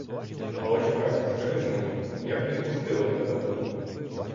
Але чекай: скажи ж мені, як відпустили тебе?